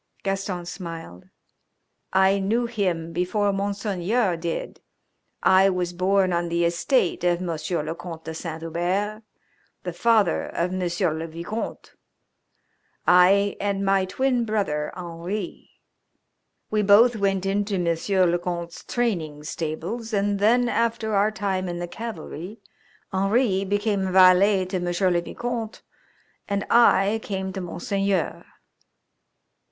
Gaston smiled. "I knew him before Monseigneur did. I was born on the estate of Monsieur le Comte de Saint Hubert, the father of Monsieur le Vicomte. I and my twin brother Henri. We both went into Monsieur's le Comte's training stables, and then after our time in the Cavalry Henri became valet to Monsieur le Vicomte, and I came to Monseigneur."